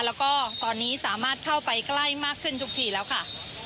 แล้วก็ตอนนี้สามารถเข้าไปใกล้มากขึ้นทุกทีแล้วค่ะ